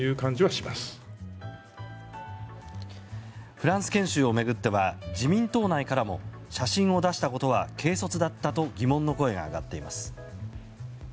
フランス研修を巡っては自民党内からも写真を出したことは軽率だったと疑問の声が上がっています。